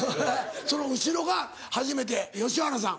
その後ろが初めて吉原さん。